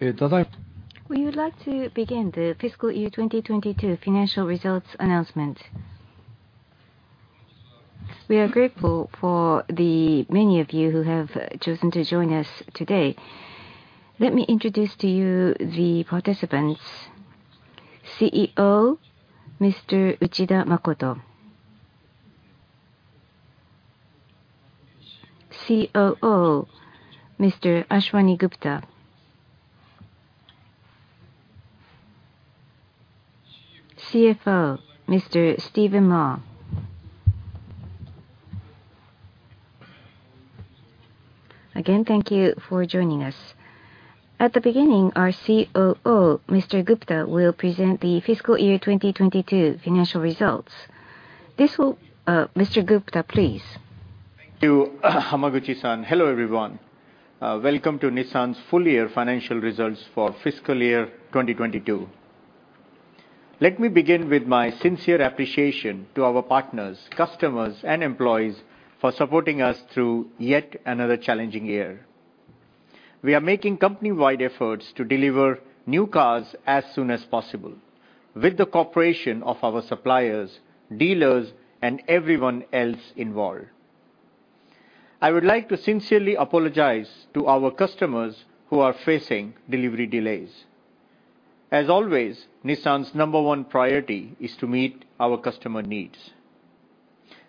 We would like to begin the FY 2022 financial results announcement. We are grateful for the many of you who have chosen to join us today. Let me introduce to you the participants. CEO, Mr. Makoto Uchida. COO, Mr. Ashwani Gupta. CFO, Mr. Stephen Ma. Again, thank you for joining us. At the beginning, our COO, Mr. Gupta, will present the FY 2022 financial results. Mr. Gupta, please. Thank you, Hamaguchi-san. Hello, everyone. Welcome to Nissan's full year financial results for FY 2022. Let me begin with my sincere appreciation to our partners, customers and employees for supporting us through yet another challenging year. We are making company-wide efforts to deliver new cars as soon as possible with the cooperation of our suppliers, dealers, and everyone else involved. I would like to sincerely apologize to our customers who are facing delivery delays. As always, Nissan's number 1 priority is to meet our customer needs.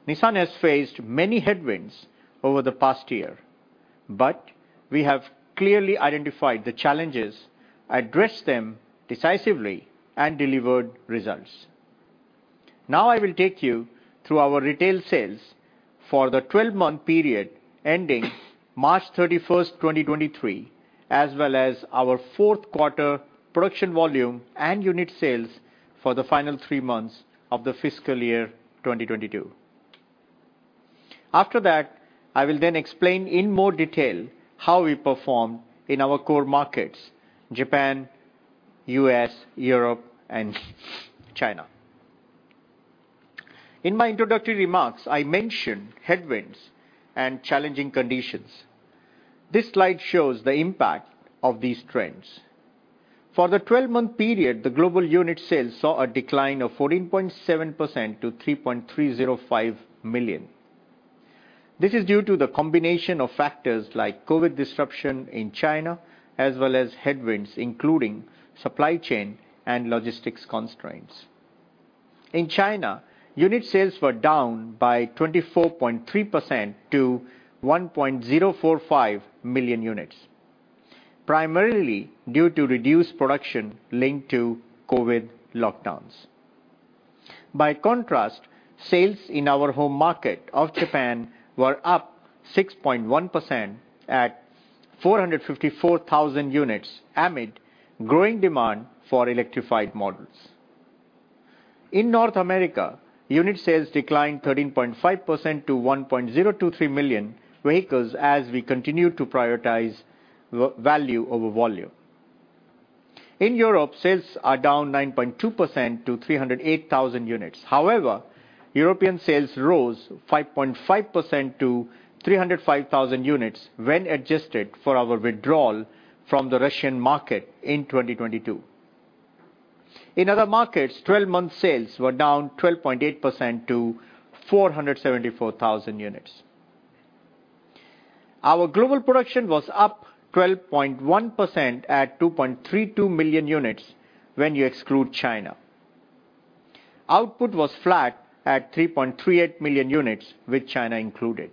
Nissan has faced many headwinds over the past year, but we have clearly identified the challenges, addressed them decisively, and delivered results. I will take you through our retail sales for the 12-month period ending March 31st, 2023, as well as our Q4 production volume and unit sales for the final three months of the FY 2022. I will then explain in more detail how we perform in our core markets Japan, U.S., Europe, and China. In my introductory remarks, I mentioned headwinds and challenging conditions. This slide shows the impact of these trends. For the 12-month period, the global unit sales saw a decline of 14.7% to 3.305 million. This is due to the combination of factors like COVID disruption in China, as well as headwinds including supply chain and logistics constraints. In China, unit sales were down by 24.3% to 1.045 million units, primarily due to reduced production linked to COVID lockdowns. Sales in our home market of Japan were up 6.1% at 454,000 units amid growing demand for electrified models. In North America, unit sales declined 13.5% to 1.023 million vehicles as we continue to prioritize value over volume. In Europe, sales are down 9.2% to 308,000 units. European sales rose 5.5% to 305,000 units when adjusted for our withdrawal from the Russian market in 2022. In other markets, 12-month sales were down 12.8% to 474,000 units. Our global production was up 12.1% at 2.32 million units when you exclude China. Output was flat at 3.38 million units with China included.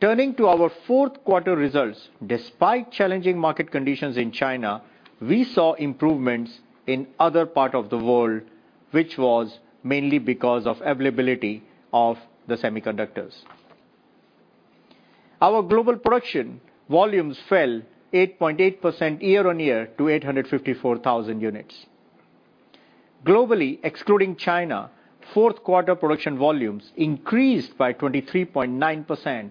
Turning to our Q4 results. Despite challenging market conditions in China, we saw improvements in other parts of the world, which was mainly because of availability of the semiconductors. Our global production volumes fell 8.8% year-on-year to 854,000 units. Globally, excluding China Q4 production volumes increased by 23.9%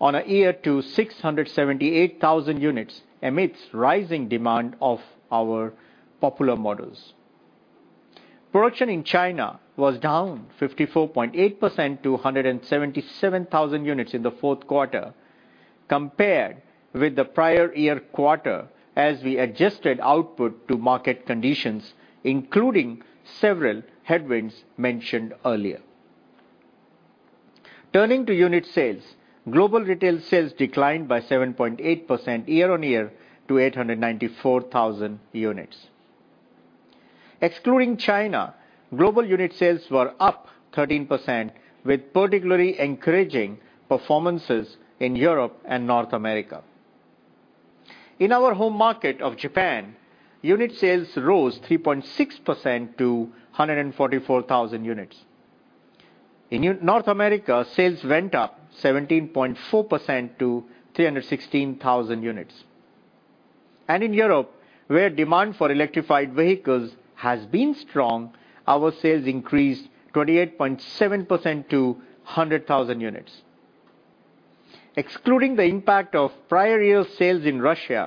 on a year to 678,000 units amidst rising demand of our popular models. Production in China was down 54.8% to 177,000 units in the Q4 compared with the prior year quarter as we adjusted output to market conditions, including several headwinds mentioned earlier. Turning to unit sales. Global retail sales declined by 7.8% year-on-year to 894,000 units. Excluding China, global unit sales were up 13% with particularly encouraging performances in Europe and North America. In our home market of Japan, unit sales rose 3.6% to 144,000 units. In North America, sales went up 17.4% to 316,000 units. In Europe, where demand for electrified vehicles has been strong, our sales increased 28.7% to 100,000 units. Excluding the impact of prior year sales in Russia,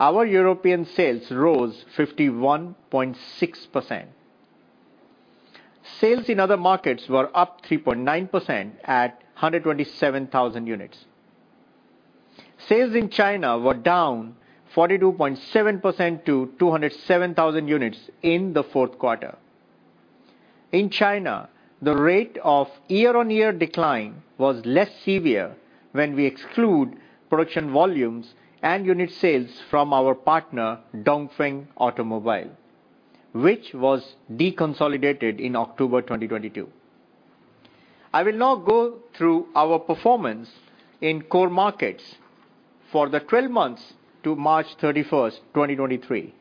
our European sales rose 51.6%. Sales in other markets were up 3.9% at 127,000 units. Sales in China were down 42.7% to 207,000 units in the Q4. In China, the rate of year-on-year decline was less severe when we exclude production volumes and unit sales from our partner Dongfeng Automobile, which was deconsolidated in October 2022. I will now go through our performance in core markets for the 12 months to March 31st 2023.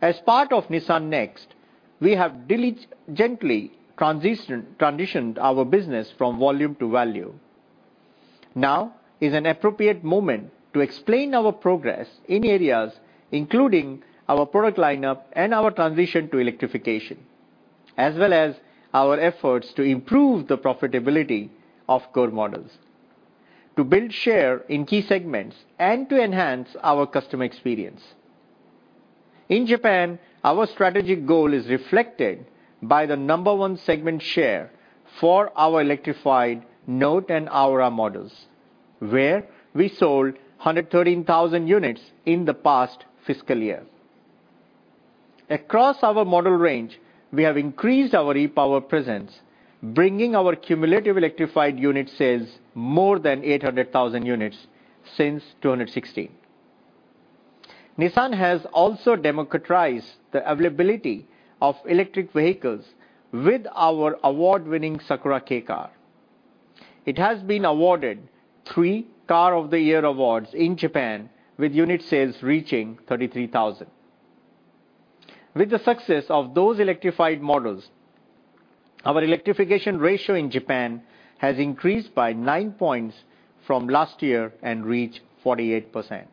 As part of Nissan NEXT, we have diligently transitioned our business from volume to value. Now is an appropriate moment to explain our progress in areas including our product lineup and our transition to electrification, as well as our efforts to improve the profitability of core models to build share in key segments and to enhance our customer experience. In Japan, our strategic goal is reflected by the number one segment share for our electrified Note and Aura models, where we sold 113,000 units in the past fiscal year. Across our model range, we have increased our e-POWER presence, bringing our cumulative electrified unit sales more than 800,000 units since 2016. Nissan has also democratized the availability of electric vehicles with our award-winning Sakura Kei Car. It has been awarded three Car of the Year awards in Japan, with unit sales reaching 33,000. With the success of those electrified models, our electrification ratio in Japan has increased by nine points from last year and reached 48%.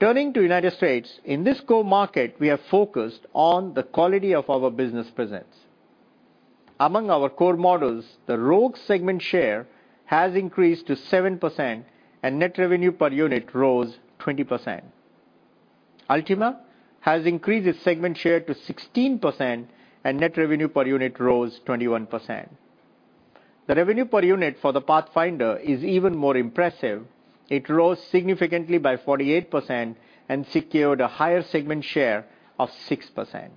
Turning to United States, in this core market, we are focused on the quality of our business presence. Among our core models, the Rogue segment share has increased to 7% and net revenue per unit rose 20%. Altima has increased its segment share to 16% and net revenue per unit rose 21%. The revenue per unit for the Pathfinder is even more impressive. It rose significantly by 48% and secured a higher segment share of 6%.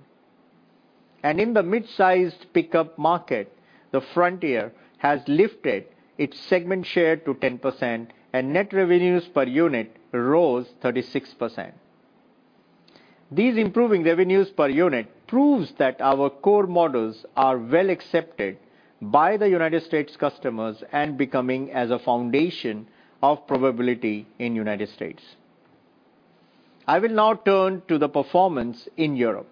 In the mid-sized pickup market, the Frontier has lifted its segment share to 10% and net revenues per unit rose 36%. These improving revenues per unit proves that our core models are well accepted by the United States customers and becoming as a foundation of profitability in United States. I will now turn to the performance in Europe.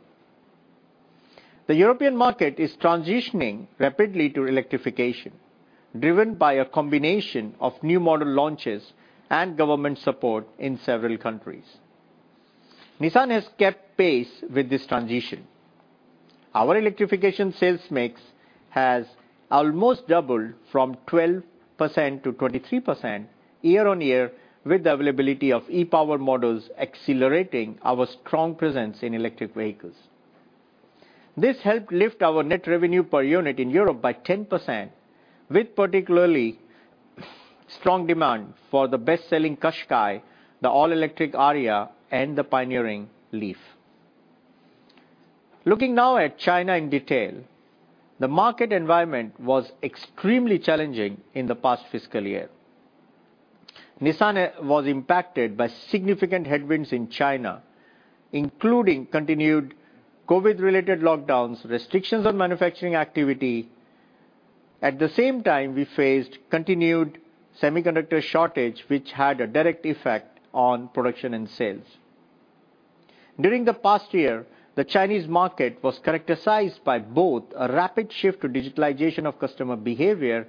The European market is transitioning rapidly to electrification, driven by a combination of new model launches and government support in several countries. Nissan has kept pace with this transition. Our electrification sales mix has almost doubled from 12% to 23% year-on-year with the availability of e-POWER models accelerating our strong presence in electric vehicles. This helped lift our net revenue per unit in Europe by 10% with particularly strong demand for the best-selling Qashqai, the all-electric Ariya, and the pioneering Leaf. Looking now at China in detail, the market environment was extremely challenging in the past fiscal year. Nissan was impacted by significant headwinds in China, including continued COVID-related lockdowns, restrictions on manufacturing activity. At the same time, we faced continued semiconductor shortage, which had a direct effect on production and sales. During the past year, the Chinese market was characterized by both a rapid shift to digitalization of customer behavior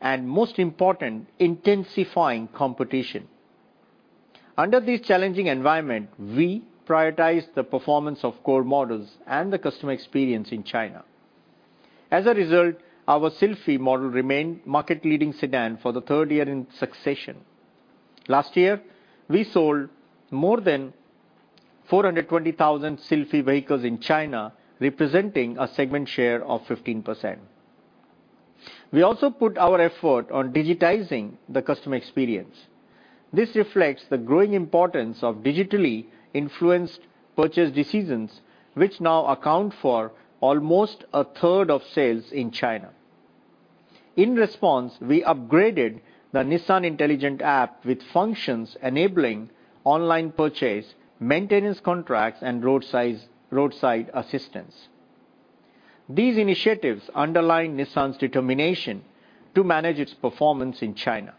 and, most important, intensifying competition. Under this challenging environment, we prioritized the performance of core models and the customer experience in China. As a result, our Sylphy model remained market-leading sedan for the third year in succession. Last year, we sold more than 420,000 Sylphy vehicles in China, representing a segment share of 15%. We also put our effort on digitizing the customer experience. This reflects the growing importance of digitally influenced purchase decisions, which now account for almost 1/3 of sales in China. In response, we upgraded the Nissan Intelligent App with functions enabling online purchase, maintenance contracts, and roadside assistance. These initiatives underline Nissan's determination to manage its performance in China.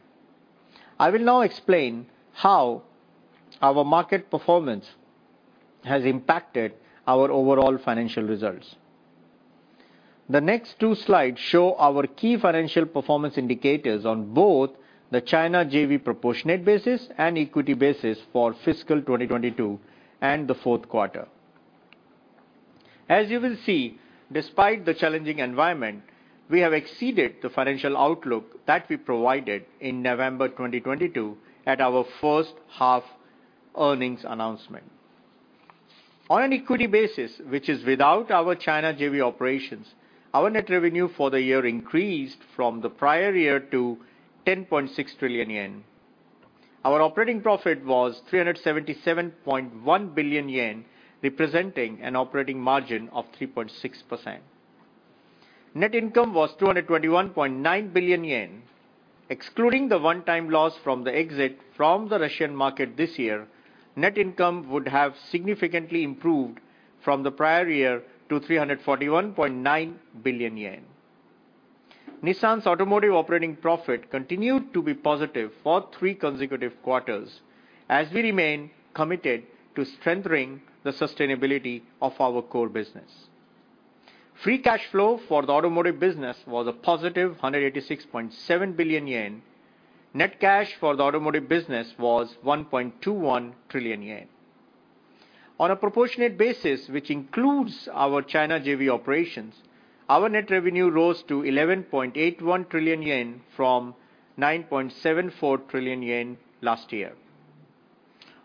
I will now explain how our market performance has impacted our overall financial results. The next two slides show our key financial performance indicators on both the China JV proportionate basis and equity basis for fiscal 2022 and the Q4. As you will see, despite the challenging environment, we have exceeded the financial outlook that we provided in November 2022 at our first half-Earnings announcement. On an equity basis, which is without our China JV operations, our net revenue for the year increased from the prior year to 10.6 trillion yen. Our operating profit was 377.1 billion yen, representing an operating margin of 3.6%. Net income was 221.9 billion yen. Excluding the one-time loss from the exit from the Russian market this year, net income would have significantly improved from the prior year to 341.9 billion yen. Nissan's automotive operating profit continued to be positive for three consecutive quarters as we remain committed to strengthening the sustainability of our core business. Free cash flow for the automotive business was a positive 186.7 billion yen. Net cash for the automotive business was 1.21 trillion yen. On a proportionate basis, which includes our China JV operations, our net revenue rose to 11.81 trillion yen from 9.74 trillion yen last year.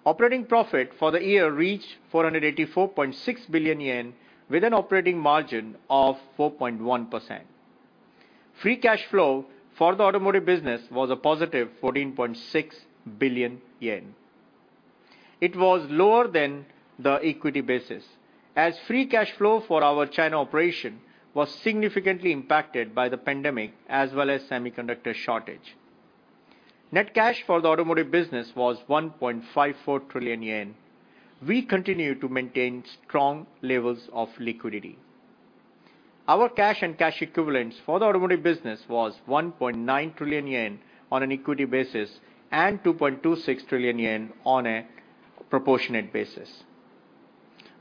Operating profit for the year reached 484.6 billion yen with an operating margin of 4.1%. Free cash flow for the automotive business was a positive 14.6 billion yen. It was lower than the equity basis, as free cash flow for our China operation was significantly impacted by the pandemic as well as semiconductor shortage. Net cash for the automotive business was 1.54 trillion yen. We continue to maintain strong levels of liquidity. Our cash and cash equivalents for the automotive business was 1.9 trillion yen on an equity basis and 2.26 trillion yen on a proportionate basis.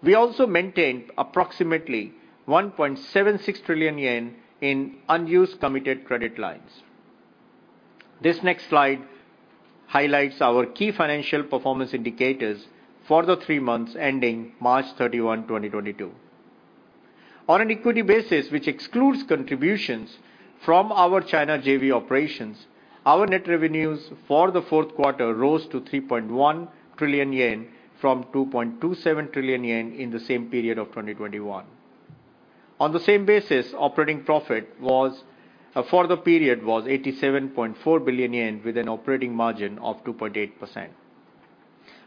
We also maintained approximately 1.76 trillion yen in unused committed credit lines. This next slide highlights our key financial performance indicators for the three months ending March 31st 2022. On an equity basis, which excludes contributions from our China JV operations, our net revenues for the Q4 rose to 3.1 trillion yen from 2.27 trillion yen in the same period of 2021. On the same basis, operating profit for the period was 87.4 billion yen with an operating margin of 2.8%.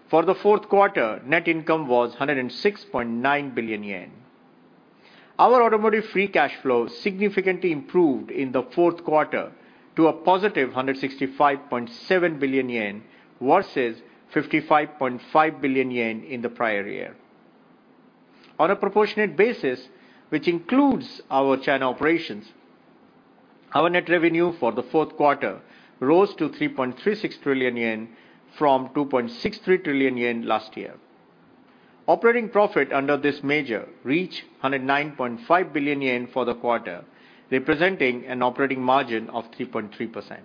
For the Q4, net income was 106.9 billion yen. Our automotive free cash flow significantly improved in the Q4 to a positive 165.7 billion yen versus 55.5 billion yen in the prior year. On a proportionate basis, which includes our China operations, our net revenue for the Q4 rose to 3.36 trillion yen from 2.63 trillion yen last year. Operating profit under this measure reached 109.5 billion yen for the quarter, representing an operating margin of 3.3%.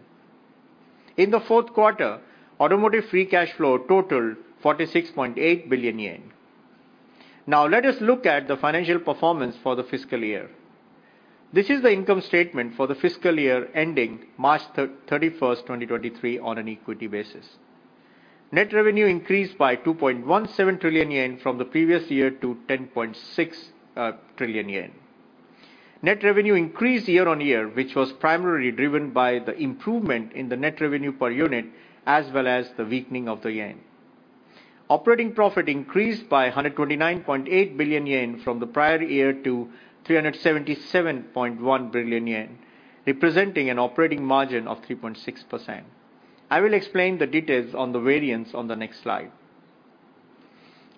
In the Q4, automotive free cash flow totaled 46.8 billion yen. Let us look at the financial performance for the fiscal year. This is the income statement for the fiscal year ending March 31st 2023, on an equity basis. Net revenue increased by 2.17 trillion yen from the previous year to 10.6 trillion yen. Net revenue increased year-over-year, which was primarily driven by the improvement in the net revenue per unit as well as the weakening of the yen. Operating profit increased by 129.8 billion yen from the prior year to 377.1 billion yen, representing an operating margin of 3.6%. I will explain the details on the variance on the next slide.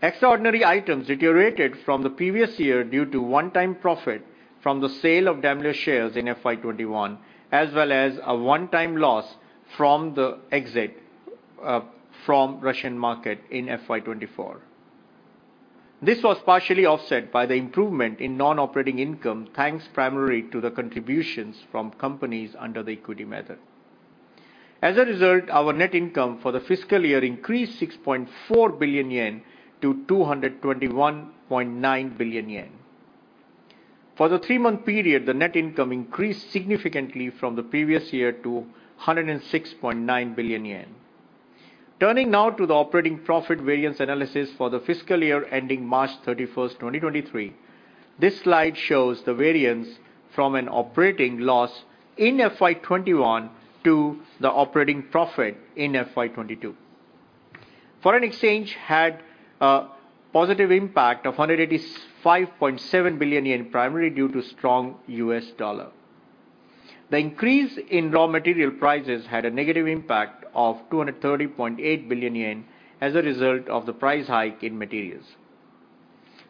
Extraordinary items deteriorated from the previous year due to one-time profit from the sale of Daimler shares in FY 2021, as well as a one-time loss from the exit from Russian market in FY 2024. This was partially offset by the improvement in non-operating income, thanks primarily to the contributions from companies under the equity method. As a result, our net income for the fiscal year increased 6.4 billion yen to 221.9 billion yen. For the three-month period, the net income increased significantly from the previous year to 106.9 billion yen. Turning now to the operating profit variance analysis for the fiscal year ending March 31st, 2023. This slide shows the variance from an operating loss in FY 2021 to the operating profit in FY 2022. Foreign exchange had a positive impact of 185.7 billion yen, primarily due to strong U.S. dollar. The increase in raw material prices had a negative impact of 230.8 billion yen as a result of the price hike in materials.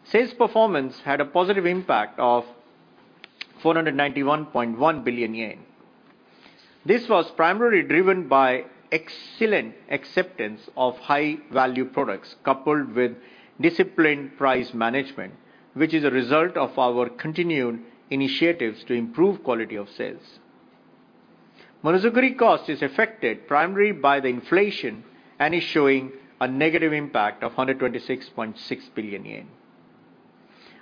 Sales performance had a positive impact of 491.1 billion yen. This was primarily driven by excellent acceptance of high-value products, coupled with disciplined price management, which is a result of our continued initiatives to improve quality of sales. Monozukuri cost is affected primarily by the inflation and is showing a negative impact of 126.6 billion yen.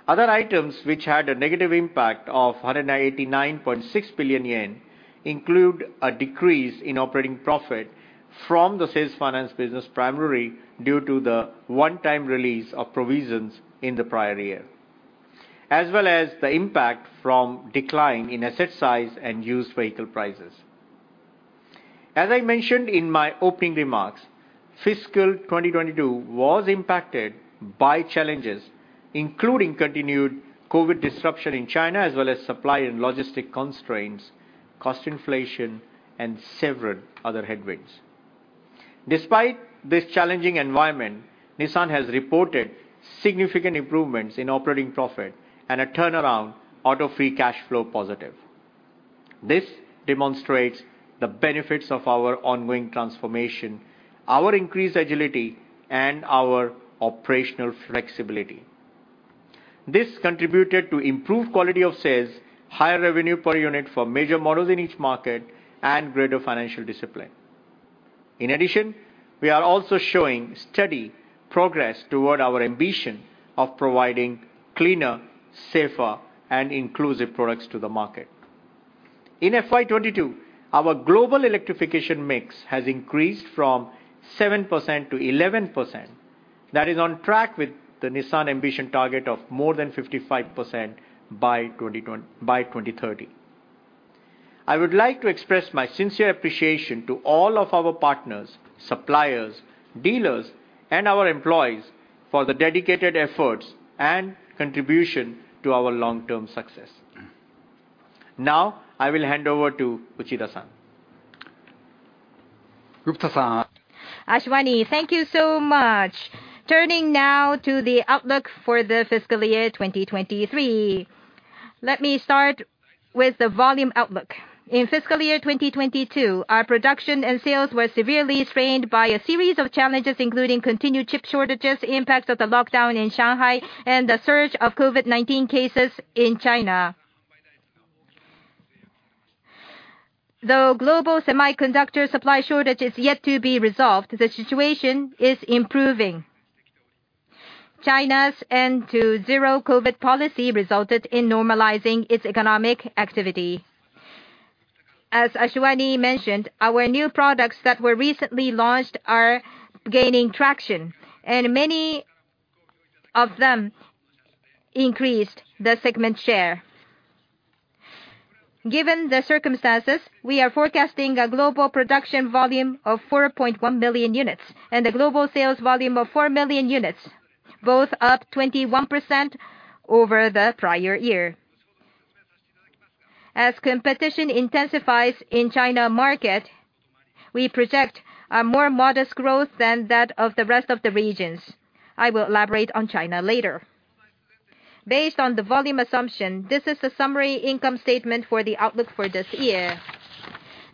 Other items which had a negative impact of 189.6 billion yen include a decrease in operating profit from the sales finance business, primarily due to the one-time release of provisions in the prior year, as well as the impact from decline in asset size and used vehicle prices. As I mentioned in my opening remarks, fiscal 2022 was impacted by challenges, including continued COVID disruption in China, as well as supply and logistic constraints, cost inflation, and several other headwinds. Despite this challenging environment, Nissan has reported significant improvements in operating profit and a turnaround auto free cash flow positive. This demonstrates the benefits of our ongoing transformation, our increased agility, and our operational flexibility. This contributed to improved quality of sales, higher revenue per unit for major models in each market, and greater financial discipline. We are also showing steady progress toward our ambition of providing cleaner, safer, and inclusive products to the market. In FY 2022, our global electrification mix has increased from 7% to 11%. That is on track with the Nissan Ambition target of more than 55% by 2030. I would like to express my sincere appreciation to all of our partners, suppliers, dealers, and our employees for the dedicated efforts and contribution to our long-term success. I will hand over to Uchida-san. Gupta-san. Ashwani, thank you so much. Turning now to the outlook for the FY 2023. Let me start with the volume outlook. In FY 2022, our production and sales were severely strained by a series of challenges, including continued chip shortages, impacts of the lockdown in Shanghai, and the surge of COVID-19 cases in China. The global semiconductor supply shortage is yet to be resolved. The situation is improving. China's end to zero COVID policy resulted in normalizing its economic activity. As Ashwani mentioned, our new products that were recently launched are gaining traction, and many of them increased the segment share. Given the circumstances, we are forecasting a global production volume of 4.1 billion units and a global sales volume of 4 million units, both up 21% over the prior year. As competition intensifies in China market, we project a more modest growth than that of the rest of the regions. I will elaborate on China later. Based on the volume assumption, this is a summary income statement for the outlook for this year.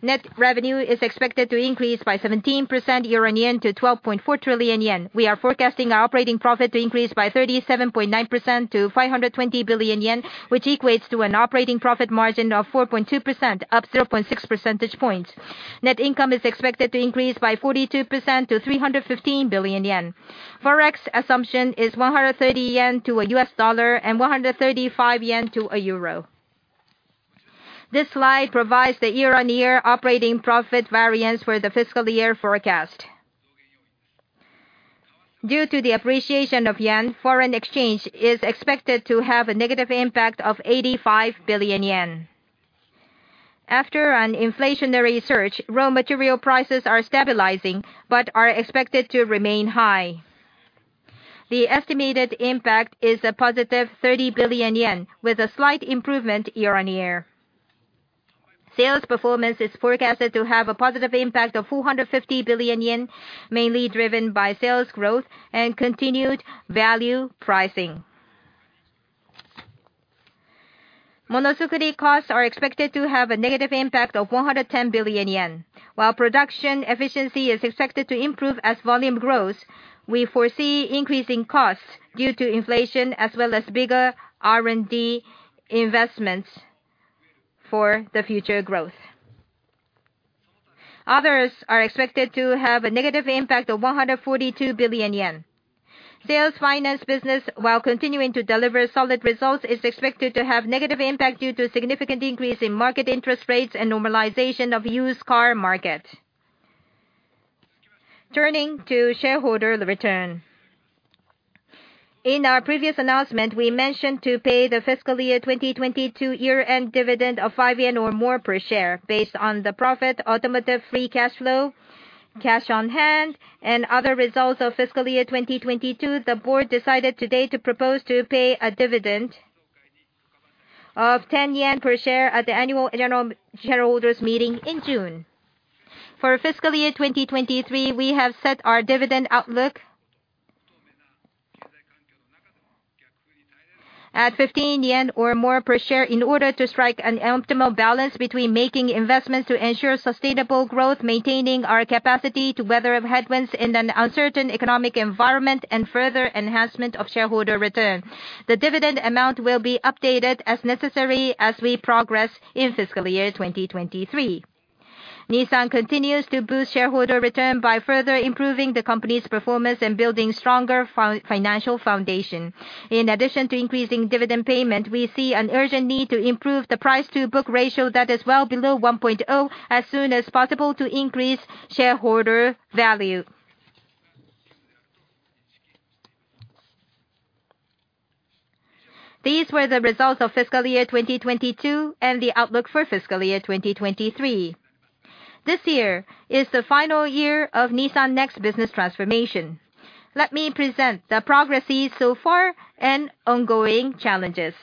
Net revenue is expected to increase by 17% year-on-year to 12.4 trillion yen. We are forecasting our operating profit to increase by 37.9% to 520 billion yen, which equates to an operating profit margin of 4.2%, up 0.6 percentage points. Net income is expected to increase by 42% to 315 billion yen. Forex assumption is 130 yen to a US dollar and 135 yen to a euro. This slide provides the year-on-year operating profit variance for the fiscal year forecast. Due to the appreciation of Japanese Yen, foreign exchange is expected to have a negative impact of 85 billion yen. After an inflationary surge, raw material prices are stabilizing but are expected to remain high. The estimated impact is a positive 30 billion yen with a slight improvement year-on-year. Sales performance is forecasted to have a positive impact of 450 billion yen, mainly driven by sales growth and continued value pricing. Monozukuri costs are expected to have a negative impact of 110 billion yen. While production efficiency is expected to improve as volume grows, we foresee increasing costs due to inflation as well as bigger R&D investments for the future growth. Others are expected to have a negative impact of 142 billion yen. Sales finance business, while continuing to deliver solid results, is expected to have negative impact due to a significant increase in market interest rates and normalization of used car market. Turning to shareholder return. In our previous announcement, we mentioned to pay the FY 2022 year-end dividend of 5 yen or more per share based on the profit automotive free cash flow, cash on hand, and other results of FY 2022. The board decided today to propose to pay a dividend of 10 yen per share at the annual general shareholders meeting in June. For FY 2023, we have set our dividend outlook at 15 yen or more per share in order to strike an optimal balance between making investments to ensure sustainable growth, maintaining our capacity to weather headwinds in an uncertain economic environment, and further enhancement of shareholder return. The dividend amount will be updated as necessary as we progress in FY 2023. Nissan continues to boost shareholder return by further improving the company's performance and building stronger financial foundation. We see an urgent need to improve the price-to-book ratio that is well below 1.0 as soon as possible to increase shareholder value. These were the results of FY 2022 and the outlook for FY 2023. This year is the final year of Nissan NEXT business transformation. Let me present the progresses so far and ongoing challenges.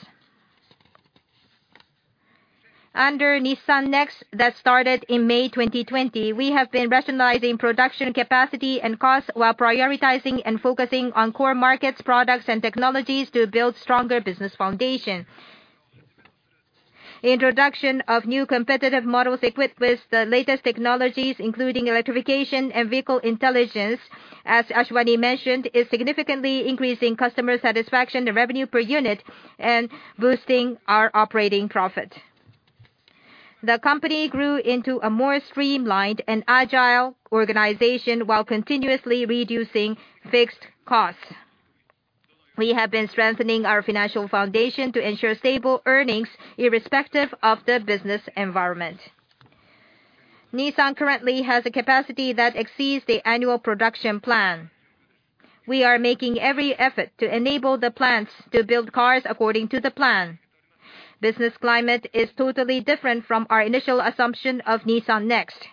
Under Nissan NEXT that started in May 2020, we have been rationalizing production capacity and costs while prioritizing and focusing on core markets, products, and technologies to build stronger business foundation. Introduction of new competitive models equipped with the latest technologies, including electrification and vehicle intelligence, as Ashwani mentioned, is significantly increasing customer satisfaction and revenue per unit and boosting our operating profit. The company grew into a more streamlined and agile organization while continuously reducing fixed costs. We have been strengthening our financial foundation to ensure stable earnings irrespective of the business environment. Nissan currently has a capacity that exceeds the annual production plan. We are making every effort to enable the plants to build cars according to the plan. Business climate is totally different from our initial assumption of Nissan NEXT.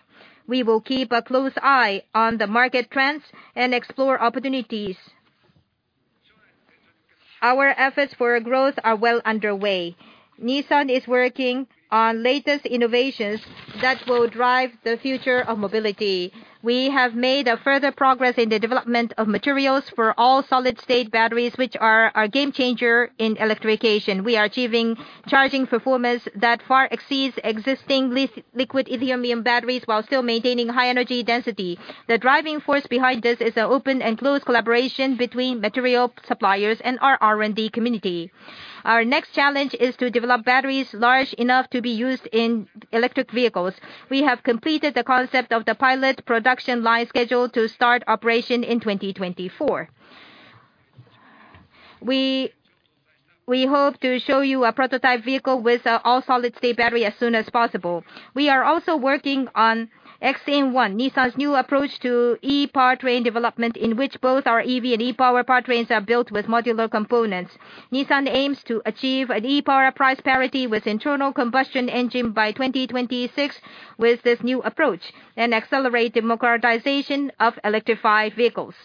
We will keep a close eye on the market trends and explore opportunities. Our efforts for growth are well underway. Nissan is working on latest innovations that will drive the future of mobility. We have made further progress in the development of materials for all-solid-state batteries, which are a game changer in electrification. We are achieving charging performance that far exceeds existing liquid lithium batteries while still maintaining high energy density. The driving force behind this is the open and close collaboration between material suppliers and our R&D community. Our next challenge is to develop batteries large enough to be used in electric vehicles. We have completed the concept of the pilot production line scheduled to start operation in 2024. We hope to show you a prototype vehicle with all-solid-state battery as soon as possible. We are also working on X-in-1, Nissan's new approach to e-powertrain development, in which both our EV and e-POWER powertrains are built with modular components. Nissan aims to achieve an e-POWER price parity with internal combustion engine by 2026 with this new approach and accelerate democratization of electrified vehicles.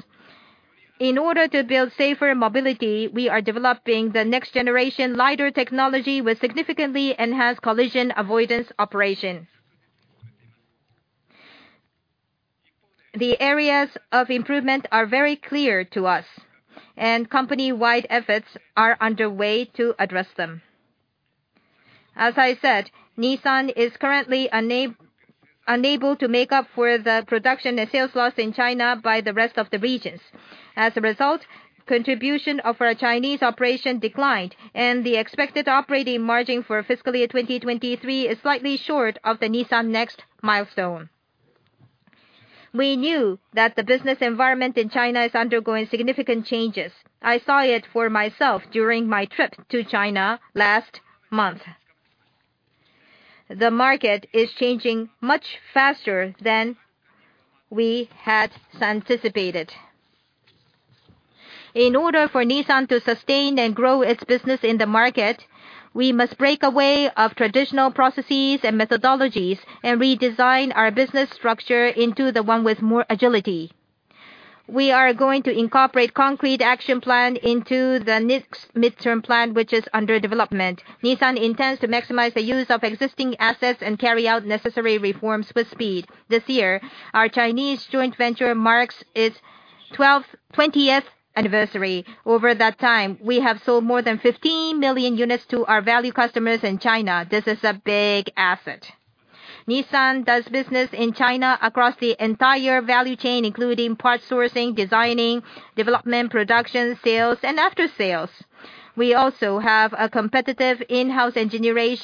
In order to build safer mobility, we are developing the next generation Lidar technology, which significantly enhance collision avoidance operations. The areas of improvement are very clear to us, and company-wide efforts are underway to address them. As I said, Nissan is currently unable to make up for the production and sales loss in China by the rest of the regions. As a result, contribution of our Chinese operation declined, and the expected operating margin for FY 2023 is slightly short of the Nissan NEXT milestone. We knew that the business environment in China is undergoing significant changes. I saw it for myself during my trip to China last month. The market is changing much faster than we had anticipated. In order for Nissan to sustain and grow its business in the market, we must break away of traditional processes and methodologies and redesign our business structure into the one with more agility. We are going to incorporate concrete action plan into the next midterm plan, which is under development. Nissan intends to maximize the use of existing assets and carry out necessary reforms with speed. This year, our Chinese joint venture marks its 20th anniversary. Over that time, we have sold more than 15 million units to our value customers in China. This is a big asset. Nissan does business in China across the entire value chain, including part sourcing, designing, development, production, sales, and after-sales. We also have a competitive in-house engineering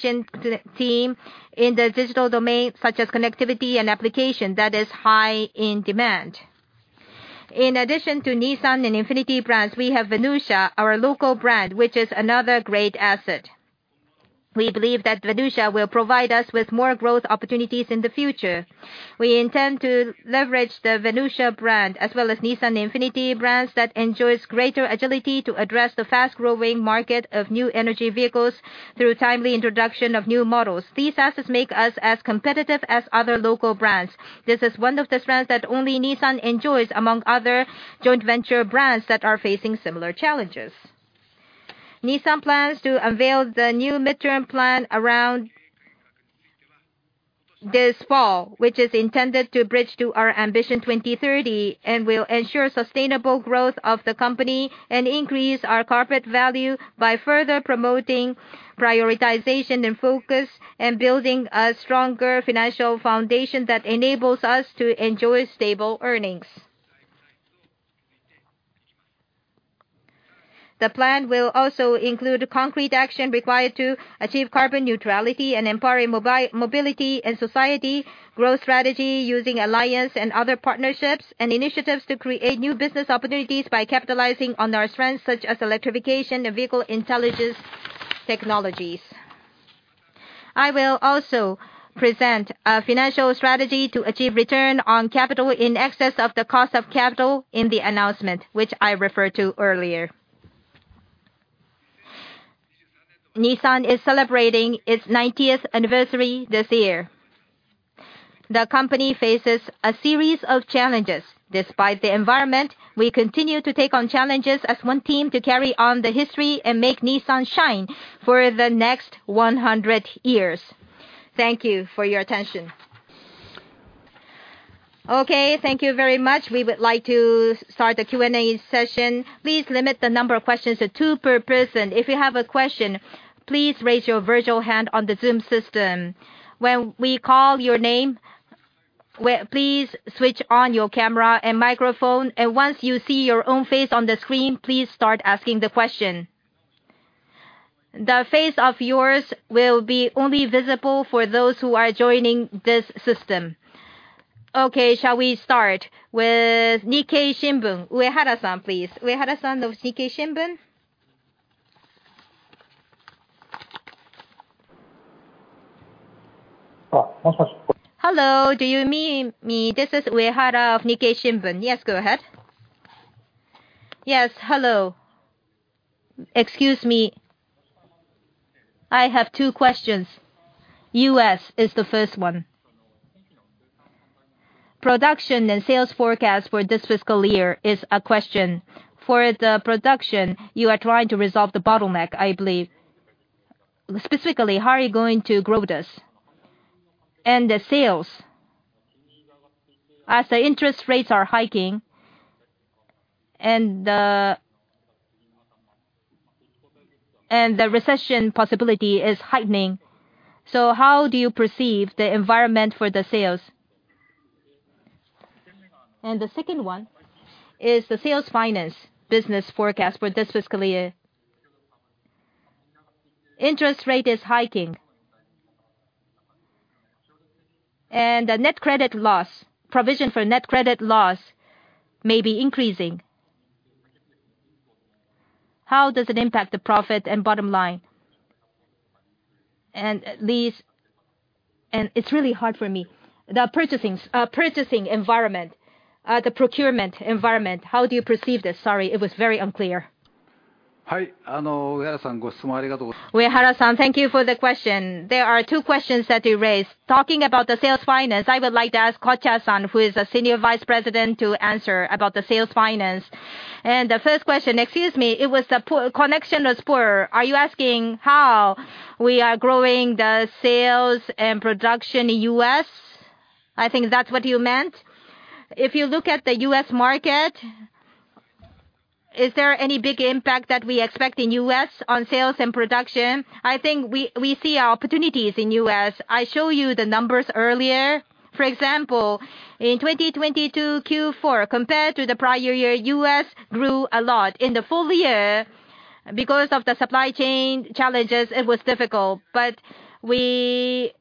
team in the digital domain, such as connectivity and application that is high in demand. In addition to Nissan and Infiniti brands, we have Venucia, our local brand, which is another great asset. We believe that Venucia will provide us with more growth opportunities in the future. We intend to leverage the Venucia brand, as well as Nissan Infiniti brands that enjoys greater agility to address the fast-growing market of New Energy Vehicles through timely introduction of new models. These assets make us as competitive as other local brands. This is one of the strengths that only Nissan enjoys among other joint venture brands that are facing similar challenges. Nissan plans to unveil the new midterm plan around this fall, which is intended to bridge to our Nissan Ambition 2030, and will ensure sustainable growth of the company and increase our corporate value by further promoting prioritization and focus and building a stronger financial foundation that enables us to enjoy stable earnings. The plan will also include concrete action required to achieve carbon neutrality and empower a mobility and society growth strategy using alliance and other partnerships and initiatives to create new business opportunities by capitalizing on our strengths such as electrification and vehicle intelligence technologies. I will also present a financial strategy to achieve return on capital in excess of the cost of capital in the announcement which I referred to earlier. Nissan is celebrating its 90th anniversary this year. The company faces a series of challenges. Despite the environment, we continue to take on challenges as one team to carry on the history and make Nissan shine for the next 100 years. Thank you for your attention. Okay, thank you very much. We would like to start the Q&A session. Please limit the number of questions to two per person. If you have a question, please raise your virtual hand on the Zoom system. When we call your name, please switch on your camera and microphone, and once you see your own face on the screen, please start asking the question. The face of yours will be only visible for those who are joining this system. Okay, shall we start with Nikkei Shimbun, Uehara-san, please. Uehara-san of Nikkei Shimbun? Hello, do you mean me? This is Uehara of Nikkei Shimbun. Yes, go ahead. Yes, hello. Excuse me. I have 2 questions. U.S. is the first one. Production and sales forecast for this fiscal year is a question. For the production, you are trying to resolve the bottleneck, I believe. Specifically, how are you going to grow this? The sales. As the interest rates are hiking and the recession possibility is heightening, how do you perceive the environment for the sales? The second one is the sales finance business forecast for this fiscal year. Interest rate is hiking. The net credit loss, provision for net credit loss may be increasing. How does it impact the profit and bottom line? It's really hard for me. The purchasing environment, the procurement environment, how do you perceive this? Sorry, it was very unclear. Uehara-san, thank you for the question. There are two questions that you raised. Talking about the sales finance, I would like to ask Kochhar-san, who is a Senior Vice President, to answer about the sales finance. The first question, excuse me, it was the connection was poor. Are you asking how we are growing the sales and production in U.S.? I think that's what you meant. If you look at the U.S. market, is there any big impact that we expect in U.S. on sales and production? I think we see opportunities in U.S. I show you the numbers earlier. For example, in 2022 Q4, compared to the prior year, U.S. grew a lot. In the full year, because of the supply chain challenges, it was difficult. We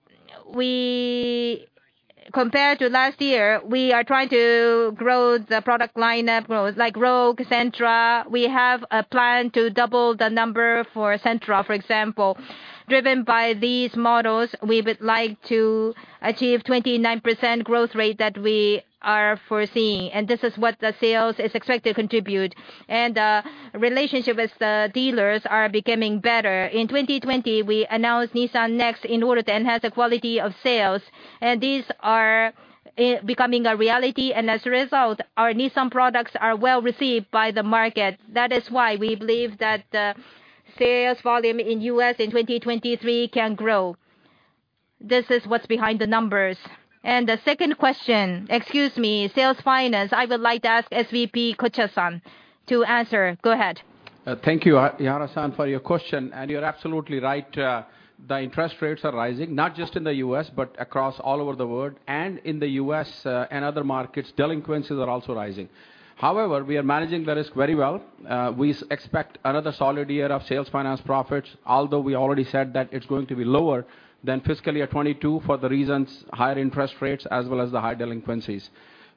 Compared to last year, we are trying to grow the product lineup, grow like Rogue, Sentra. We have a plan to double the number for Sentra, for example. Driven by these models, we would like to achieve 29% growth rate that we are foreseeing. This is what the sales is expected to contribute. Relationship with the dealers are becoming better. In 2020, we announced Nissan NEXT in order to enhance the quality of sales, and these are becoming a reality. As a result, our Nissan products are well-received by the market. That is why we believe that sales volume in U.S. in 2023 can grow. This is what's behind the numbers. The second question, excuse me, sales finance, I would like to ask SVP Kochhar-san to answer. Go ahead. Thank you, Uehara-san, for your question. You're absolutely right. The interest rates are rising, not just in the U.S., but across all over the world. In the U.S., and other markets, delinquencies are also rising. However, we are managing the risk very well. We expect another solid year of sales finance profits. Although we already said that it's going to be lower than FY 2022 for the reasons higher interest rates as well as the high delinquencies.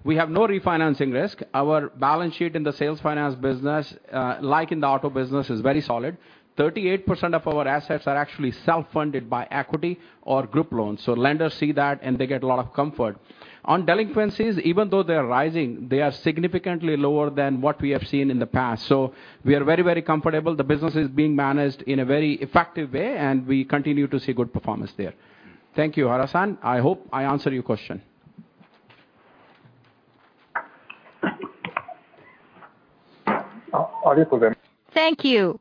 We have no refinancing risk. Our balance sheet in the sales finance business, like in the auto business, is very solid. 38% of our assets are actually self-funded by equity or group loans. Lenders see that and they get a lot of comfort. On delinquencies, even though they are rising, they are significantly lower than what we have seen in the past. We are very, very comfortable. The business is being managed in a very effective way, and we continue to see good performance there. Thank you, Uehara-san. I hope I answered your question. Thank you.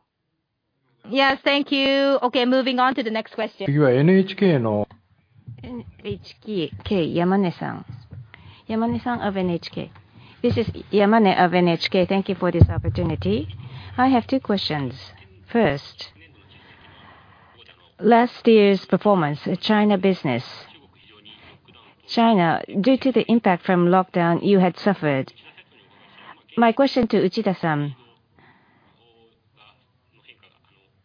Yes, thank you. Okay, moving on to the next question. NHK NHK, Kei Yamane-san. Yamane-san of NHK. This is Yamane of NHK. Thank you for this opportunity. I have two questions. First- Last year's performance, China business. China, due to the impact from lockdown, you had suffered. My question to Uchida,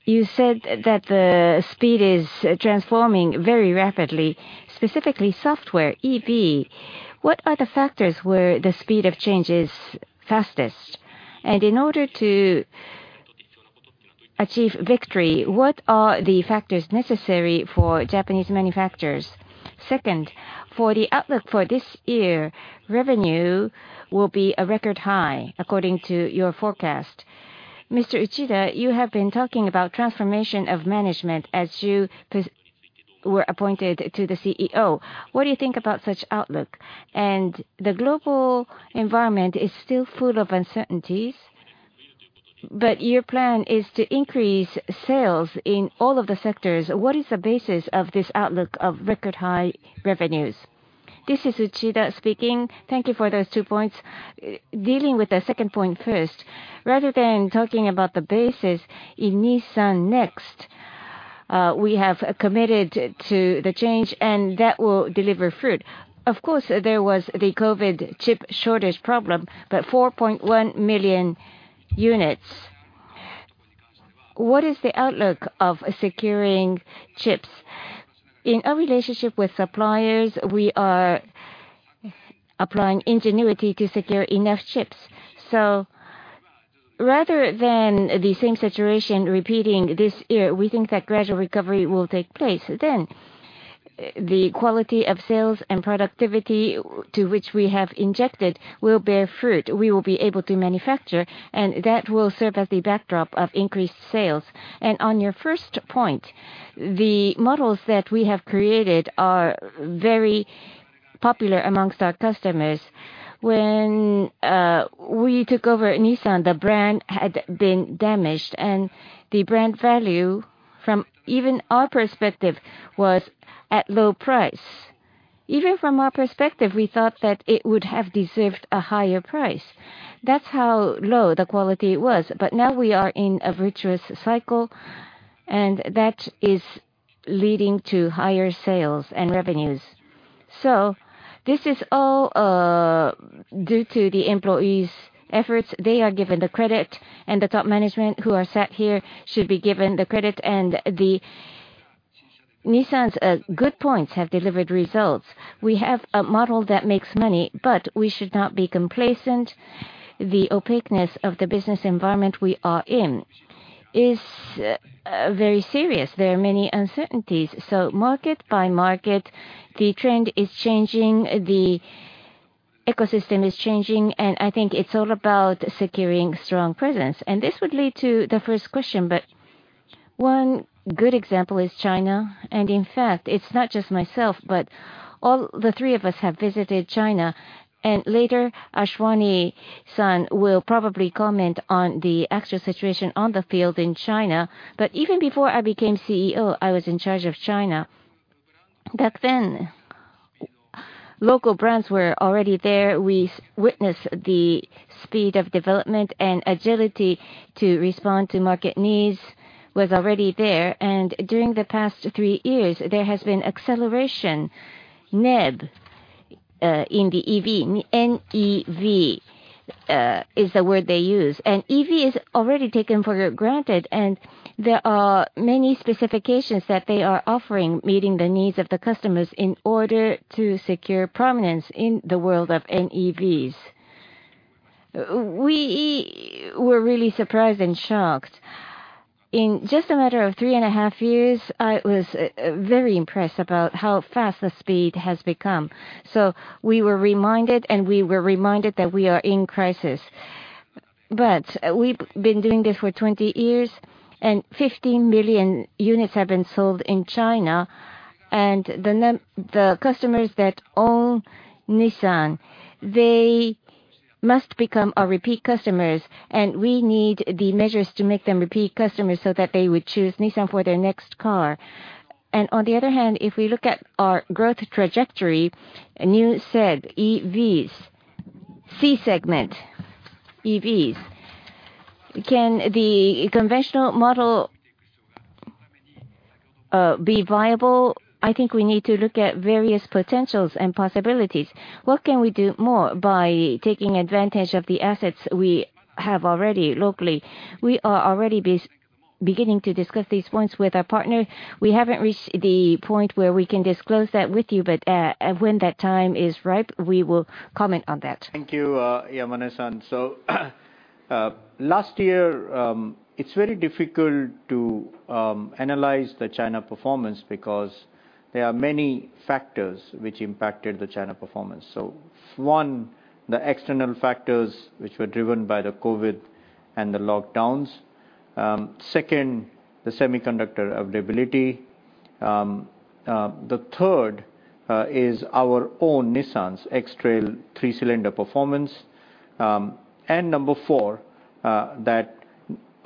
you said that the speed is transforming very rapidly, specifically software, EV. In order to achieve victory, what are the factors necessary for Japanese manufacturers? Second, for the outlook for this year, revenue will be a record high according to your forecast. Mr. Uchida, you have been talking about transformation of management as you were appointed to the CEO. What do you think about such outlook? The global environment is still full of uncertainties, but your plan is to increase sales in all of the sectors. What is the basis of this outlook of record high revenues? This is Uchida speaking. Thank you for those two points. Dealing with the second point first, rather than talking about the basis in Nissan NEXT, we have committed to the change and that will deliver fruit. Of course, there was the COVID chip shortage problem. 4.1 million units. What is the outlook of securing chips? In our relationship with suppliers, we are applying ingenuity to secure enough chips. Rather than the same situation repeating this year, we think that gradual recovery will take place. The quality of sales and productivity to which we have injected will bear fruit. We will be able to manufacture, and that will serve as the backdrop of increased sales. On your first point, the models that we have created are very popular amongst our customers. When we took over Nissan, the brand had been damaged, and the brand value from even our perspective was at low price. Even from our perspective, we thought that it would have deserved a higher price. That's how low the quality was. Now we are in a virtuous cycle, and that is leading to higher sales and revenues. This is all due to the employees' efforts. They are given the credit, and the top management who are sat here should be given the credit, and the Nissan's good points have delivered results. We have a model that makes money, but we should not be complacent. The opaqueness of the business environment we are in is very serious. There are many uncertainties. Market by market, the trend is changing, the ecosystem is changing, and I think it's all about securing strong presence. This would lead to the first question, but one good example is China. In fact, it's not just myself, but all the three of us have visited China. Later, Ashwani-san will probably comment on the actual situation on the field in China. Even before I became CEO, I was in charge of China. Back then, local brands were already there. We witnessed the speed of development and agility to respond to market needs was already there. During the past three years, there has been acceleration. NEV, in the EV, N-E-V, is the word they use. NEV is already taken for granted, and there are many specifications that they are offering, meeting the needs of the customers in order to secure prominence in the world of NEVs. We were really surprised and shocked. In just a matter of 3.5 years, I was very impressed about how fast the speed has become. We were reminded, and we were reminded that we are in crisis. We've been doing this for 20 years, and 15 million units have been sold in China. The customers that own Nissan, they must become our repeat customers, and we need the measures to make them repeat customers so that they would choose Nissan for their next car. On the other hand, if we look at our growth trajectory, new said EVs, C-segment EVs. Can the conventional model be viable? I think we need to look at various potentials and possibilities. What can we do more by taking advantage of the assets we have already locally? We are already beginning to discuss these points with our partner. We haven't reached the point where we can disclose that with you, but when that time is ripe, we will comment on that. Thank you, Yamane-san. Last year, it's very difficult to analyze the China performance because there are many factors which impacted the China performance. One, the external factors which were driven by the COVID and the lockdowns. Two, the semiconductor availability. Third, is our own Nissan's X-Trail 3-cylinder performance. Number four, that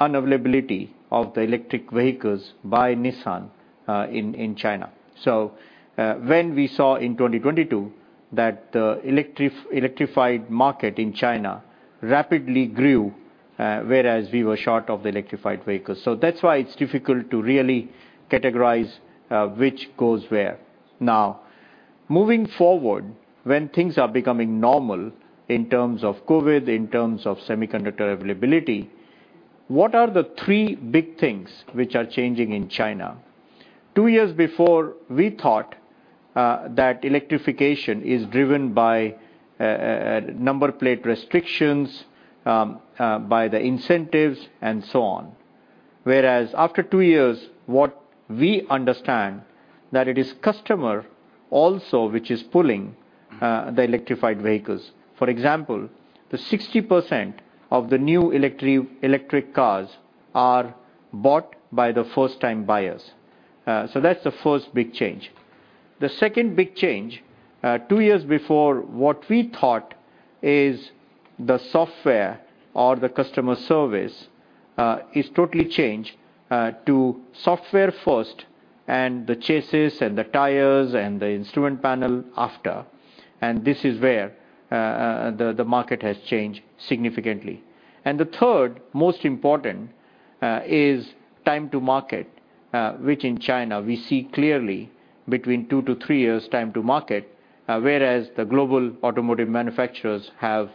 unavailability of the electric vehicles by Nissan in China. When we saw in 2022 that the electrified market in China rapidly grew, whereas we were short of the electrified vehicles. That's why it's difficult to really categorize which goes where. Now, moving forward, when things are becoming normal in terms of COVID, in terms of semiconductor availability, what are the three big things which are changing in China? Two years before, we thought that electrification is driven by number plate restrictions, by the incentives and so on. After Two years, what we understand, that it is customer also which is pulling the electrified vehicles. For example, the 60% of the new electric cars are bought by the first-time buyers. That's the first big change. The second big change, Two years before, what we thought is the software or the customer service, is totally changed to software first and the chassis and the tires and the instrument panel after. This is where the market has changed significantly. The third most important is time to market, which in China we see clearly between two to three years' time to market, whereas the global automotive manufacturers have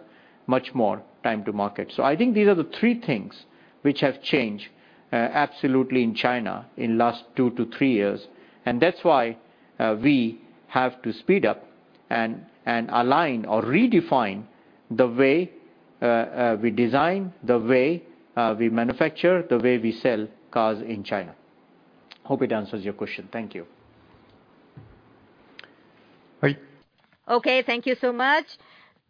much more time to market. I think these are the three things which have changed absolutely in China in last two to three years. That's why we have to speed up and align or redefine the way we design, the way we manufacture, the way we sell cars in China. Hope it answers your question. Thank you. Right. Okay, thank you so much.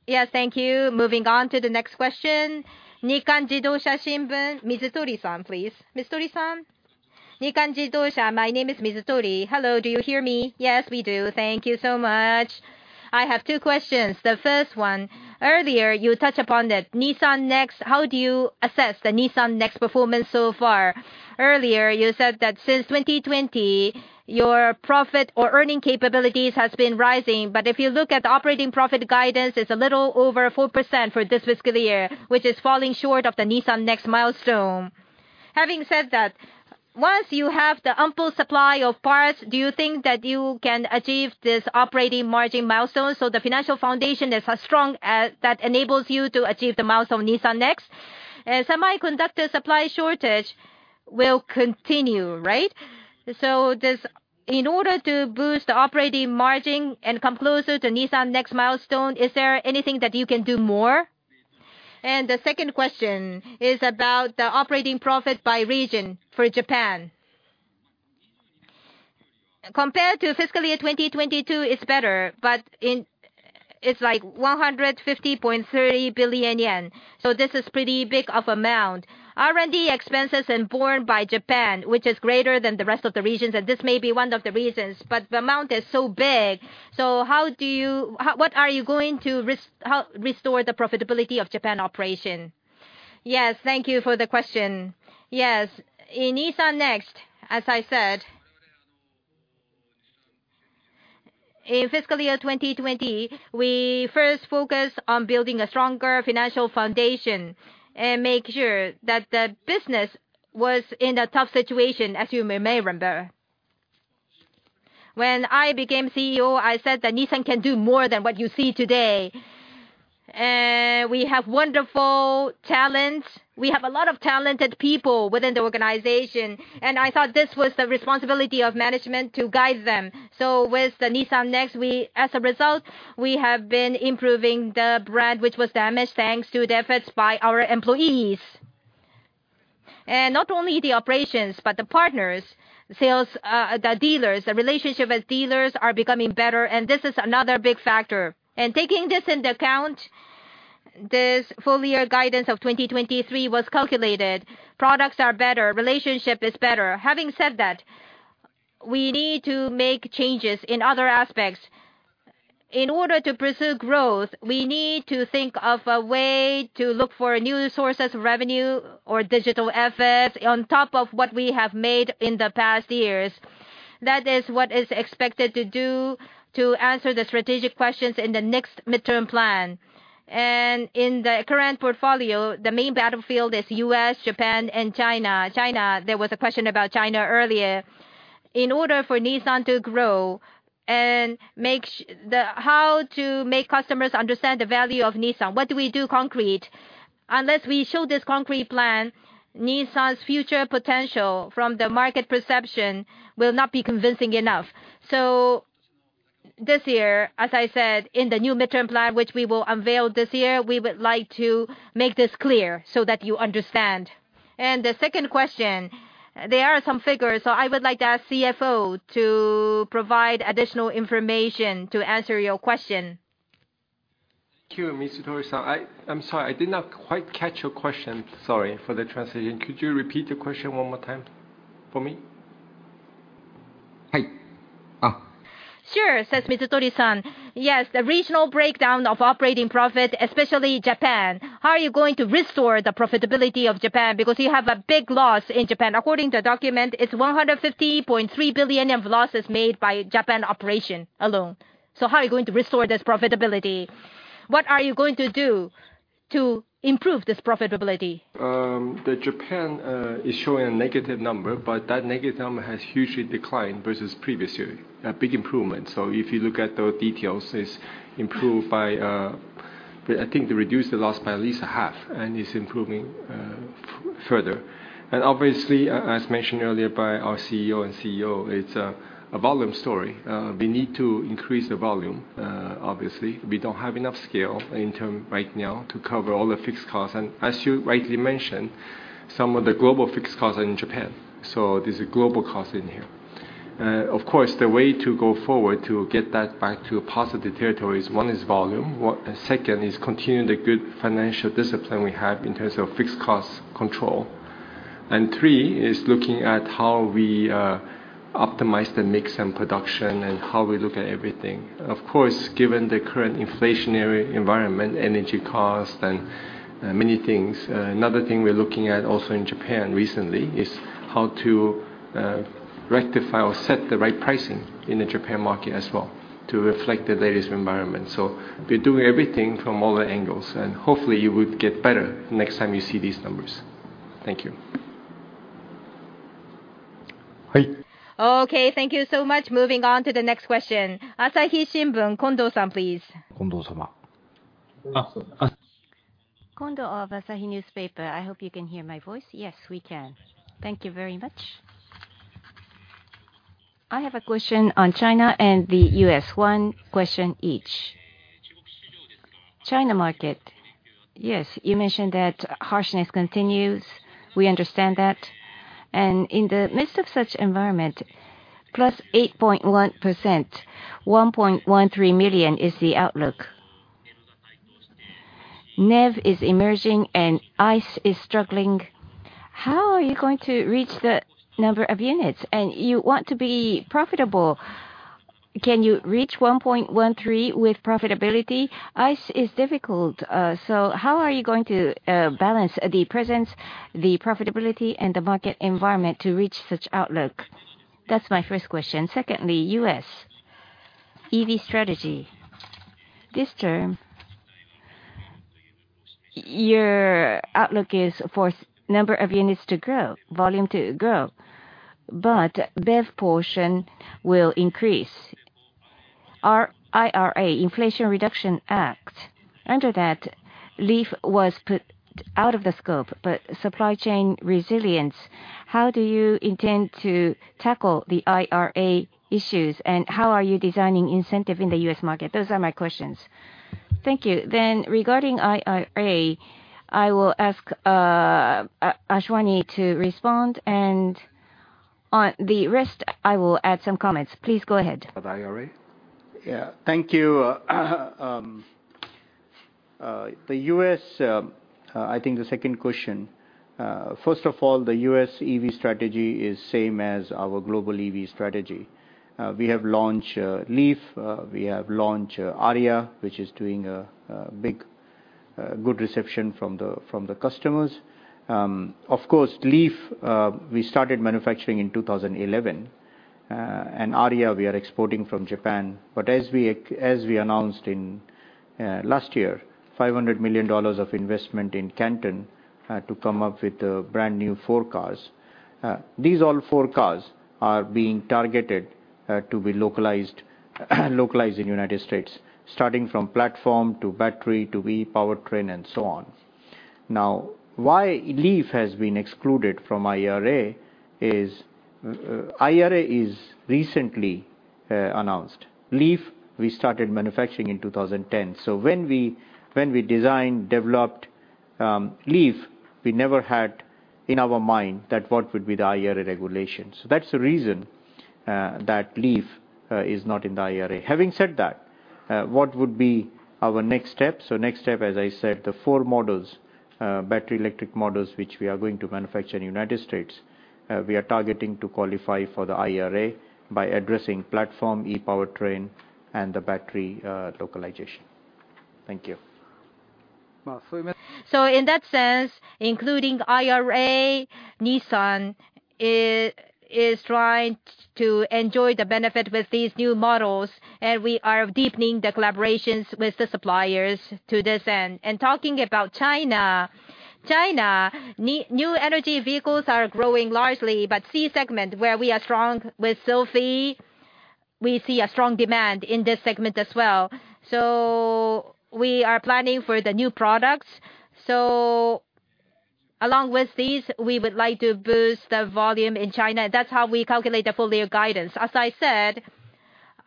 Yes, thank you. Moving on to the next question. Shimbun. Mizutori-san, please. Mizutori-san. Shimbun. My name is Mizutori. Hello, do you hear me? Yes, we do. Thank you so much. I have two questions. The first one, earlier you touched upon the Nissan NEXT. How do you assess the Nissan NEXT performance so far? Earlier you said that since 2020 your profit or earning capabilities has been rising, but if you look at the operating profit guidance, it's a little over 4% for this fiscal year, which is falling short of the Nissan NEXT milestone. Having said that, once you have the ample supply of parts, do you think that you can achieve this operating margin milestone, so the financial foundation is strong that enables you to achieve the milestone Nissan NEXT? Semiconductor supply shortage will continue, right? In order to boost operating margin and come closer to Nissan NEXT milestone, is there anything that you can do more? The second question is about the operating profit by region for Japan. Compared to FY 2022, it's better, it's 150.3 billion yen. This is pretty big of amount. R&D expenses and borne by Japan, which is greater than the rest of the regions, and this may be one of the reasons, but the amount is so big. What are you going to restore the profitability of Japan operation? Yes, thank you for the question. Yes. In Nissan NEXT, as I said, in FY 2020, we first focus on building a stronger financial foundation and make sure that the business was in a tough situation as you may remember. When I became CEO, I said that Nissan can do more than what you see today. We have wonderful talent. We have a lot of talented people within the organization, and I thought this was the responsibility of management to guide them. With the Nissan NEXT, we, as a result, we have been improving the brand which was damaged thanks to the efforts by our employees. Not only the operations, but the partners, sales, the dealers, the relationship with dealers are becoming better and this is another big factor. Taking this into account, this full year guidance of 2023 was calculated. Products are better, relationship is better. Having said that, we need to make changes in other aspects. In order to pursue growth, we need to think of a way to look for new sources of revenue or digital efforts on top of what we have made in the past years. That is what is expected to do to answer the strategic questions in the next midterm plan. In the current portfolio, the main battlefield is U.S., Japan and China. China, there was a question about China earlier. In order for Nissan to grow and make customers understand the value of Nissan, what do we do concrete? Unless we show this concrete plan, Nissan's future potential from the market perception will not be convincing enough. This year, as I said, in the new midterm plan which we will unveil this year, we would like to make this clear so that you understand. The second question, there are some figures. I would like to ask CFO to provide additional information to answer your question. Thank you, Mizutori-san. I'm sorry, I did not quite catch your question. Sorry for the translation. Could you repeat the question one more time for me? Hi. Sure, says Mizutori-san. The regional breakdown of operating profit, especially Japan, how are you going to restore the profitability of Japan? Because you have a big loss in Japan. According to a document, it's 150.3 billion in losses made by Japan operation alone. How are you going to restore this profitability? What are you going to do to improve this profitability? The Japan is showing a negative number, but that negative number has hugely declined versus previous year. A big improvement. If you look at the details, it's improved by, I think they reduced the loss by at least a half and it's improving further. Obviously, as mentioned earlier by our CEO, it's a volume story. We need to increase the volume, obviously. We don't have enough scale in terms right now to cover all the fixed costs. As you rightly mentioned, some of the global fixed costs are in Japan, so there's a global cost in here. Of course, the way to go forward to get that back to a positive territory is, one is volume. Second is continue the good financial discipline we have in terms of fixed cost control. Three is looking at how we optimize the mix and production and how we look at everything. Of course, given the current inflationary environment, energy costs and many things, another thing we're looking at also in Japan recently is how to rectify or set the right pricing in the Japan market as well to reflect the latest environment. We're doing everything from all the angles, and hopefully it would get better next time you see these numbers. Thank you. Okay, thank you so much. Moving on to the next question. Asahi Shimbun, Kondo-san, please. Kondo-san. Kondo of Asahi newspaper. I hope you can hear my voice. Yes, we can. Thank you very much. I have a question on China and the US, one question each. China market. Yes, you mentioned that harshness continues. We understand that. In the midst of such environment, +8.1%, 1.13 million is the outlook. NEV is emerging and ICE is struggling. How are you going to reach the number of units? You want to be profitable. Can you reach 1.13 with profitability? ICE is difficult, how are you going to balance the presence, the profitability, and the market environment to reach such outlook? That's my first question. Secondly, US EV strategy. This term, your outlook is for number of units to grow, volume to grow, but BEV portion will increase. Our IRA, Inflation Reduction Act, under that, Leaf was put out of the scope, but supply chain resilience, how do you intend to tackle the IRA issues, and how are you designing incentive in the U.S. market? Those are my questions. Thank you. Regarding IRA, I will ask Ashwani to respond, and on the rest, I will add some comments. Please go ahead. About IRA? Yeah. Thank you. The U.S., I think the second question. First of all, the U.S. EV strategy is same as our global EV strategy. We have launched LEAF, we have launched Ariya, which is doing a big, good reception from the customers. Of course, LEAF, we started manufacturing in 2011, and Ariya we are exporting from Japan. As we announced last year, $500 million of investment in Canton to come up with a brand-new four cars. These all four cars are being targeted to be localized in United States, starting from platform to battery to e-powertrain and so on. Why LEAF has been excluded from IRA is IRA is recently announced. Leaf, we started manufacturing in 2010. When we designed, developed, Leaf, we never had in our mind that what would be the IRA regulations. That's the reason that Leaf is not in the IRA. Having said that, what would be our next step? Next step, as I said, the four models, battery electric models, which we are going to manufacture in United States, we are targeting to qualify for the IRA by addressing platform, e-powertrain, and the battery localization. Thank you. In that sense, including IRA, Nissan is trying to enjoy the benefit with these new models, and we are deepening the collaborations with the suppliers to this end. Talking about China, New Energy Vehicles are growing largely, but C-segment where we are strong with Sylphy, we see a strong demand in this segment as well. We are planning for the new products. Along with these, we would like to boost the volume in China. That's how we calculate the full year guidance. As I said,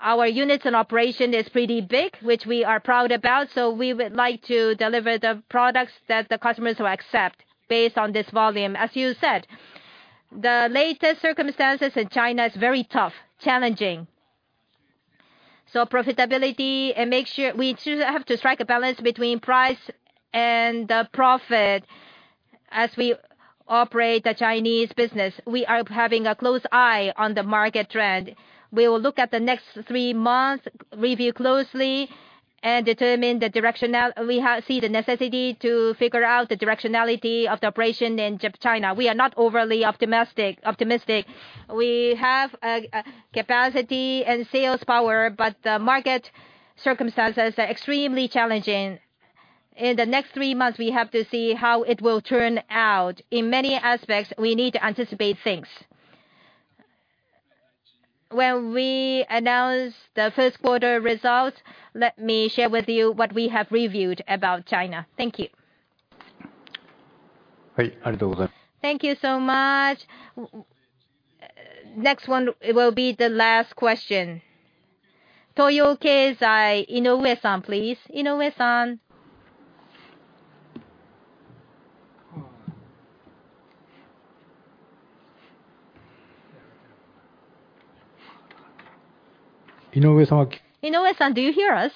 our units and operation is pretty big, which we are proud about, so we would like to deliver the products that the customers will accept based on this volume. As you said, the latest circumstances in China is very tough, challenging. Profitability and we too have to strike a balance between price and the profit as we operate the Chinese business. We are having a close eye on the market trend. We will look at the next three months, review closely, and determine the directionality. We see the necessity to figure out the directionality of the operation in China. We are not overly optimistic. We have a capacity and sales power, but the market circumstances are extremely challenging. In the next three months, we have to see how it will turn out. In many aspects, we need to anticipate things. When we announce the Q1 results, let me share with you what we have reviewed about China. Thank you. Thank you so much. Next one will be the last question. Toyo Keizai, Inoue-san, please. Inoue-san? Inoue-sama- Inoue-san, do you hear us?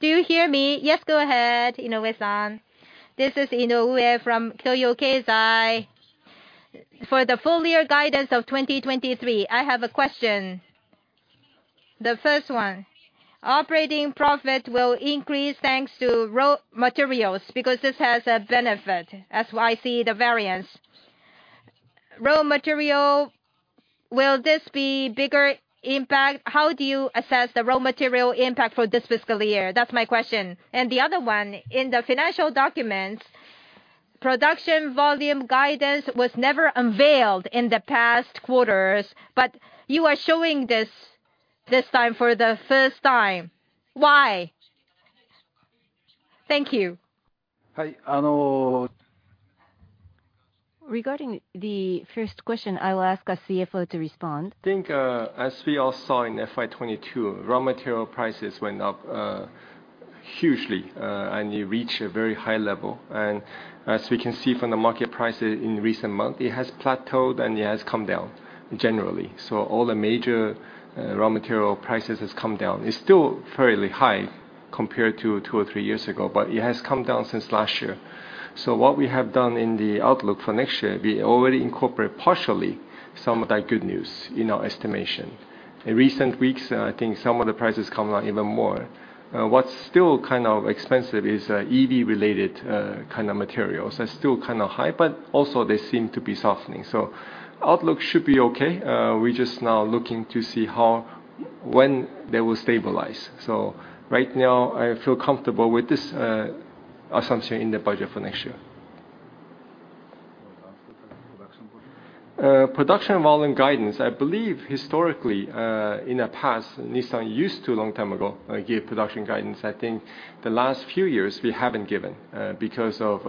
Do you hear me? Yes, go ahead, Inoue-san. This is Inoue from Toyo Keizai. For the full year guidance of 2023, I have a question. The first one, operating profit will increase thanks to raw materials because this has a benefit. That's why I see the variance. Raw material, will this be bigger impact? How do you assess the raw material impact for this fiscal year? That's my question. The other one, in the financial documents, production volume guidance was never unveiled in the past quarters, but you are showing this time for the first time. Why? Thank you. Regarding the first question, I will ask our CFO to respond. I think, as we all saw in FY22, raw material prices went up hugely, and it reached a very high level. As we can see from the market prices in recent months, it has plateaued and it has come down generally. All the major raw material prices has come down. It's still fairly high compared to two or three years ago, but it has come down since last year. What we have done in the outlook for next year, we already incorporate partially some of that good news in our estimation. In recent weeks, I think some of the prices come down even more. What's still kind of expensive is EV-related, kind of materials. They're still kind of high, but also they seem to be softening. Outlook should be okay. We're just now looking to see when they will stabilize. Right now I feel comfortable with this assumption in the budget for next year. Production volume. Production volume guidance. I believe historically, in the past, Nissan used to, a long time ago, give production guidance. I think the last few years we haven't given, because of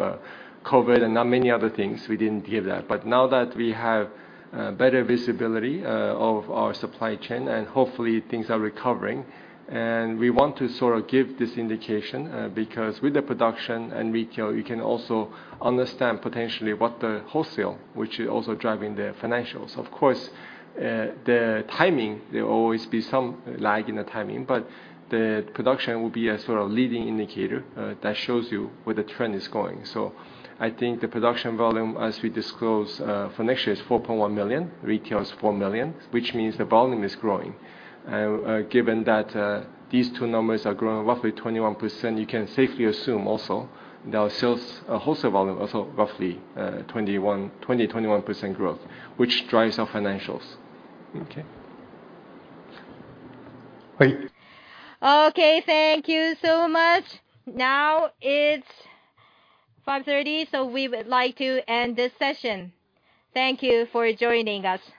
COVID and now many other things, we didn't give that. Now that we have better visibility of our supply chain and hopefully things are recovering and we want to sort of give this indication, because with the production and retail, you can also understand potentially what the wholesale, which is also driving the financials. Of course, the timing, there will always be some lag in the timing, but the production will be a sort of leading indicator that shows you where the trend is going. I think the production volume as we disclose, for next year is 4.1 million, retail is 4 million, which means the volume is growing. Given that, these two numbers are growing roughly 21%, you can safely assume also that our sales wholesale volume are also roughly, 21%, 20%-21% growth, which drives our financials. Okay. Okay, thank you so much. Now it's 5:30 P.M., so we would like to end this session. Thank you for joining us.